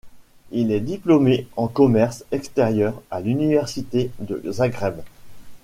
Il est diplômé en commerce extérieur à l'Université de Zagreb.